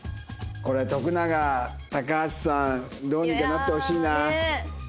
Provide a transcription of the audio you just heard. これ徳永高橋さんどうにかなってほしいな。